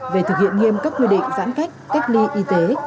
về thực hiện nghiêm các quy định giãn cách cách ly y tế